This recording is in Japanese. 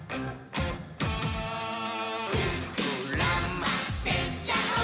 「ふくらませちゃおー！」